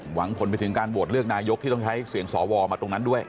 หวังผลไปถึงการโหวตเลือกนายกที่ต้องใช้เสียงสวมาตรงนั้นด้วย